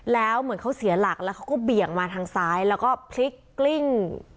แล้วเหมือนเขาเสียหลักแล้วเขาก็เบี่ยงมาทางซ้ายแล้วก็พลิกกลิ้ง